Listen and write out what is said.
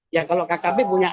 ya kalau kkb punya